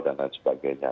dan lain sebagainya